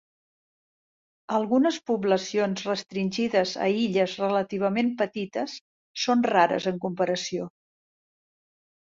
Algunes poblacions restringides a illes relativament petites són rares en comparació.